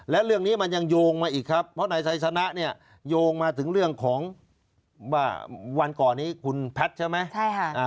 และเรื่องนี้มันยังโยงมาอีกครับเพราะนายไซสนะเนี่ยโยงมาถึงเรื่องของว่าวันก่อนนี้คุณแพทย์ใช่ไหมใช่ค่ะ